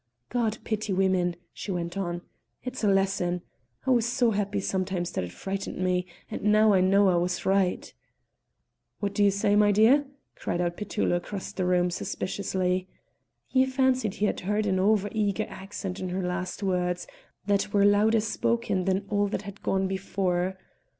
"God pity women!" she went on. "It's a lesson. I was so happy sometimes that it frightened me, and now I know I was right." "What do you say, my dear?" cried out Petullo across the room, suspiciously. He fancied he had heard an over eager accent in her last words, that were louder spoken than all that had gone before.